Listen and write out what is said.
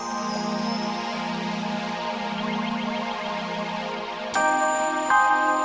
sampai jumpa di video selanjutnya